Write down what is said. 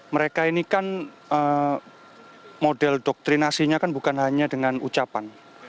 mereka ini kan model doktrinasinya kan bukan hanya dengan ucapan